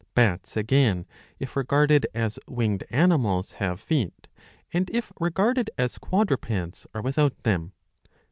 ' Bats again, if regarded as winged animals, have feet ; and, if regarded as quadrupeds, are without them.'